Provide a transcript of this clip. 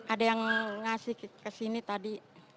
ada yang ngasih ke sini tadi